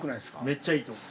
めっちゃいいと思う。